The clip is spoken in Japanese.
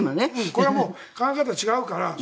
これは考え方が違うから。